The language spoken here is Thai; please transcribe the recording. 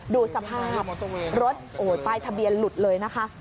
ดูสภาพรถป้ายทะเบียนหลุดเลยนะคะ